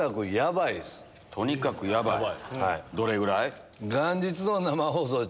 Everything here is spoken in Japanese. とにかくヤバい？どれぐらい？